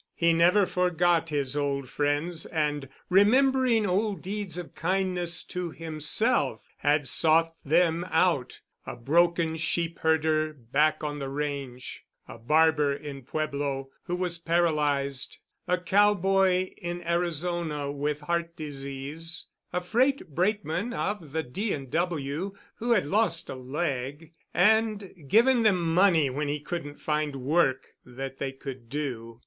He never forgot his old friends and, remembering old deeds of kindness to himself, had sought them out—a broken sheep herder back on the range, a barber in Pueblo who was paralyzed, a cowboy in Arizona with heart disease, a freight brakeman of the D. & W. who had lost a leg—and given them money when he couldn't find work that they could do.